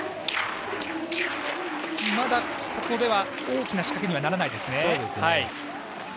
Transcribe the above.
まだ、ここでは大きな仕掛けにはならないですね。